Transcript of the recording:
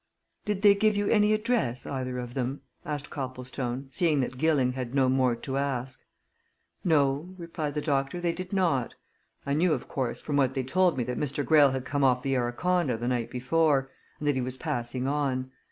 "Did they give you any address, either of them?" asked Copplestone, seeing that Gilling had no more to ask. "No," replied the doctor, "they did not. I knew of course, from what they told me that Mr. Greyle had come off the Araconda the night before, and that he was passing on.